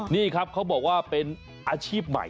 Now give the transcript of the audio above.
นี่ครับเขาบอกว่าเป็นอาชีพใหม่